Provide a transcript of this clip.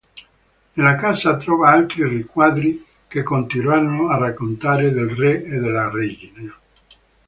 Nella casa trova altri riquadri che continuano a raccontare del Re e della Regina.